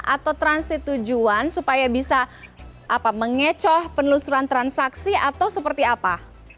atau transit tujuan supaya bisa mengecoh penelusuran transaksi atau seperti apa